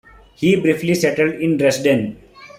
He briefly settled in Dresden.